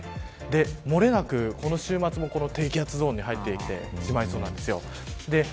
もれなくこの週末も低気圧ゾーンに入ってしまいそうです。